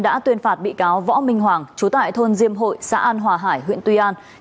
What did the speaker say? đã tuyên phạt bị cáo võ minh hoàng chú tại thôn diêm hội xã an hòa hải huyện tuy an